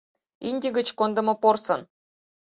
— Индий гыч кондымо порсын.